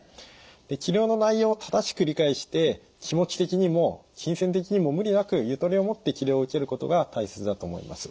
治療の内容を正しく理解して気持ち的にも金銭的にも無理なくゆとりを持って治療を受けることが大切だと思います。